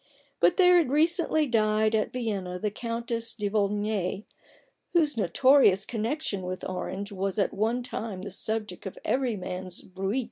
But there has recently died at Vienna the Countess de Volnay, whose notorious connection with Orange was at one time the subject of every man's bruit.